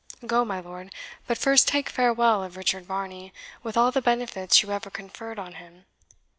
Go, my lord but first take farewell of Richard Varney, with all the benefits you ever conferred on him.